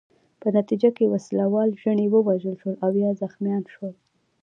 په نتیجه کې وسله وال ژڼي ووژل شول او یا زخمیان شول.